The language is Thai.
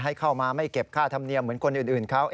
ให้เข้ามาไม่เก็บค่าธรรมเนียมเหมือนคนอื่นเขา